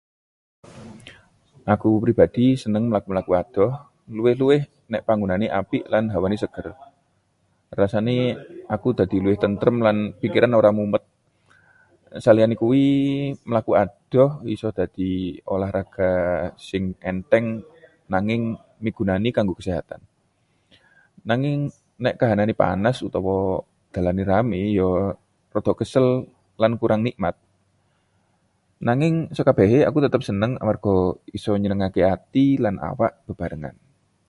Aku pribadi seneng mlaku-mlaku adoh, luwih-luwih nek panggonane apik lan hawane seger. Rasane aku dadi luwih tentrem lan pikiran ora mumet. Saliyane kuwi, mlaku adoh isa dadi olahraga sing entheng nanging migunani kanggo kesehatan. Nanging nek kahanane panas banget utawa dalane rame, yo rada kesel lan kurang nikmat. Nanging sakabèhé, aku tetep seneng amarga iso nyenengake ati lan awak bebarengan.